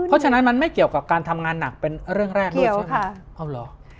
เพราะฉะนั้นมันไม่เกี่ยวกับการทำงานหนักเป็นเรื่องแรกด้วยใช่ไหมเอาเหรอ